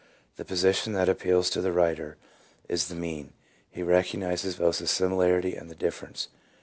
The position that appeals to the writer is the mean ; he recognizes both the similarity and the difference.